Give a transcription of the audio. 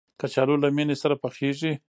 کچالو له مېنې سره پخېږي